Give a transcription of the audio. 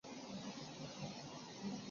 对照语言学的特征。